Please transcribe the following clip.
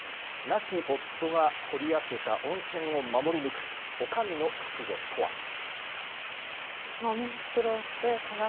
亡き夫が掘り当てた温泉を守り抜くおかみの覚悟とは？